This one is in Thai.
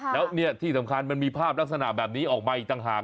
แล้วเนี่ยที่สำคัญมันมีภาพลักษณะแบบนี้ออกมาอีกต่างหาก